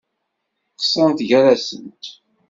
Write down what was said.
Qeṣṣrent gar-asent.